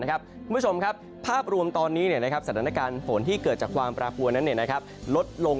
คุณผู้ชมครับภาพรวมตอนนี้สถานการณ์ฝนที่เกิดจากความแปรปวนนั้นลดลง